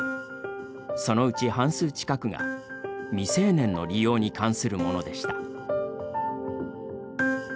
そのうち、半数近くが未成年の利用に関するものでした。